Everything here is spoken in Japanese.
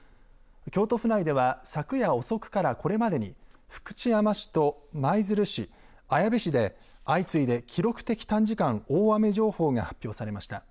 京都府内では昨夜遅くからこれまでに福知山市と舞鶴市綾部市で、相次いで記録的短時間大雨情報が発表されました。